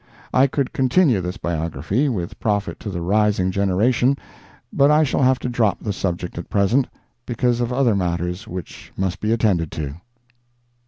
I could continue this biography, with profit to the rising generation, but I shall have to drop the subject at present, because of other matters which must be attended to.